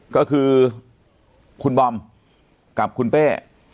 ก็คือคุณบอมกับคุณเป้